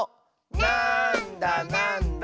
「なんだなんだ」